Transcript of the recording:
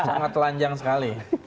sangat lanjang sekali